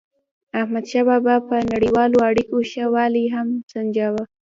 احمدشاه بابا به د نړیوالو اړیکو ښه والی هم سنجاوو.